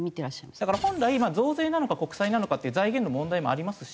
だから本来増税なのか国債なのかっていう財源の問題もありますし。